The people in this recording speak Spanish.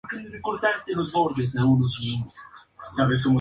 Ha curado varias exhibiciones de film y fotografía por el mundo.